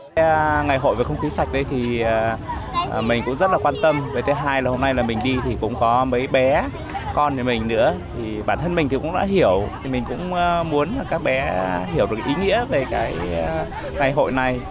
bản thân mình cũng đã hiểu mình cũng muốn các bé hiểu được ý nghĩa về ngày hội này